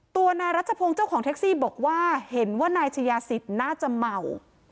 ตัวนายรัชพงศ์เจ้าของแท็กซี่บอกว่าเห็นว่านายชายาศิษย์น่าจะเมา